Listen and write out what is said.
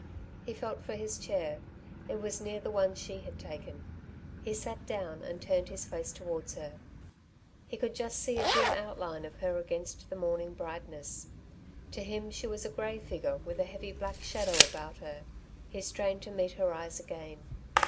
He felt for his chair. It was near the one she had taken. He sat down and turned his face towards her. He could just see a dim outline of her against the morning brightness. To him she was a grey figure with a heavy black shadow about her. He strained to meet her eyes again.